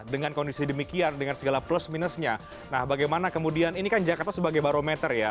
dengan kondisi demikian dengan segala plus minusnya nah bagaimana kemudian ini kan jakarta sebagai barometer ya